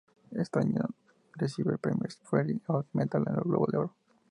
Ese año, recibió el premio Spirit of Metal en los Globo de Oro.